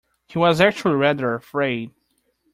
He was actually rather afraid